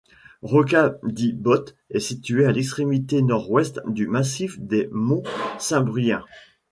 Rocca di Botte est situé à l'extrêmité nord-ouest du massif des Monts Simbruins.